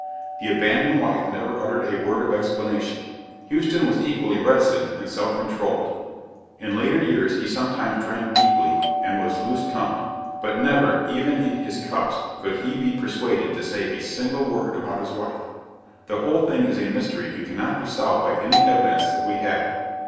The abandoned wife never uttered a word of explanation. Houston was equally reticent and self controlled. In later years he sometimes drank deeply and was loose tongued; but never, even in his cups, could he be persuaded to say a single word about his wife. The whole thing is a mystery and cannot be solved by any evidence that we have.